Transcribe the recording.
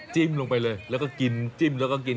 จิ้มลงไปเลยแล้วก็กิน